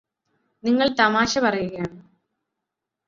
നിങ്ങള് തമാശ പറയുകയാണ്